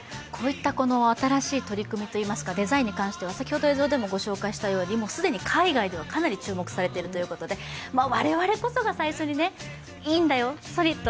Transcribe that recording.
こういった新しい取り組み、デザインに関しては既に海外ではかなり注目されているということで我々こそが最初に、いいんだよ、ＳＯＬＩＴ！